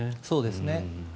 そうですね。